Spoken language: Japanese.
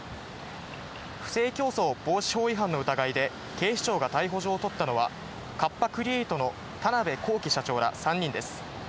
不正競争防止法違反の疑いで、警視庁が逮捕状を取ったのは、カッパ・クリエイトの田辺公己社長ら３人です。